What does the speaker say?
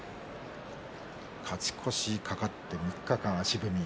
勝ち越しが懸かって３日間足踏み。